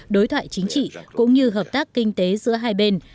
đối thoại chính trị cũng như hợp tác kinh tế giữa hai bên